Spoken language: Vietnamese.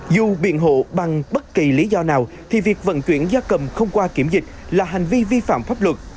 dù biện hộ bằng bất kỳ lý do nào thì việc vận chuyển gia cầm không qua kiểm dịch là hành vi vi phạm pháp luật